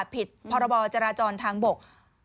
ผิดพรบจราจรทางบก